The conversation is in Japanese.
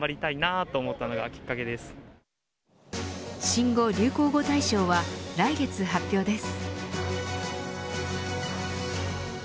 新語・流行語大賞は来月発表です。